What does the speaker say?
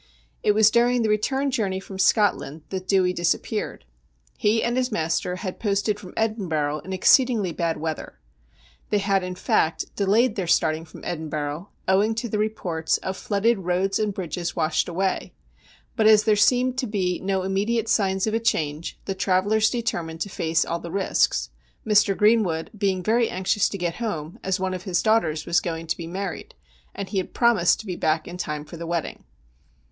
It was during the return journey from Scotland that Dewey disappeared. He and his master had posted from Edinburgh in exceedingly bad weather. They had, in fact, delayed their starting from Edinburgh, owing to the reports of flooded roads and bridges washed away, but as there seemed to be no immediate signs of a change the travel lers determined to face all risks, Mr. Greenwood being very anxious to get home, as one of his daughters was going to be married, and he had promised to be back in time for the wedding.